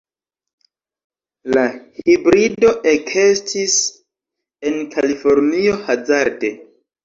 La hibrido ekestis en Kalifornio hazarde.